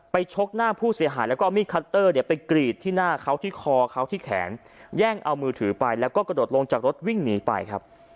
ชกหน้าผู้เสียหายแล้วก็เอามีดคัตเตอร์เนี่ยไปกรีดที่หน้าเขาที่คอเขาที่แขนแย่งเอามือถือไปแล้วก็กระโดดลงจากรถวิ่งหนีไปครับ